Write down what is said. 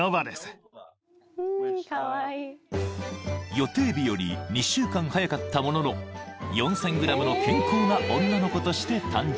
［予定日より２週間早かったものの４，０００ｇの健康な女の子として誕生］